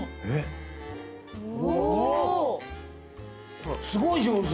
ほらすごい上手。